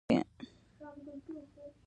په الجزایر کې یې دوه لکه کسان ووژل.